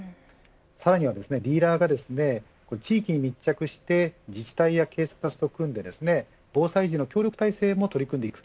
さらにはディーラーが地域に密着して自治体や警察と組んで防災時の協力体制も取り組んでいく。